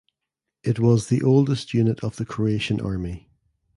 It was the oldest unit of the Croatian Army.